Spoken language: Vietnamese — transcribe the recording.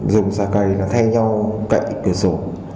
dùng xà cầy là thay nhau cậy cửa sổ